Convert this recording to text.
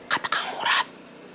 kata kang murad